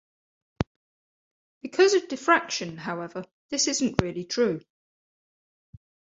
Because of diffraction, however, this isn't really true.